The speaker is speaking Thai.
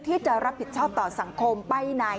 ที่จะรับผิดชอบต่อสังคมไปไหน